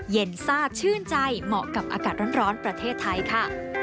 ทราบชื่นใจเหมาะกับอากาศร้อนประเทศไทยค่ะ